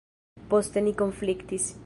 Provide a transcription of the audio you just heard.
Poste ni konfliktis.